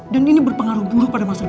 dan ini berpengaruh buruk pada masalah kamu